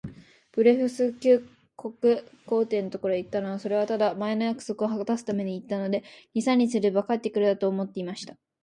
ブレフスキュ国皇帝のところへ行ったのは、それはただ、前の約束をはたすために行ったので、二三日すれば帰って来るだろう、と思っていました。